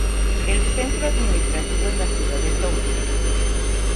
El centro administrativo es la ciudad de Tonk.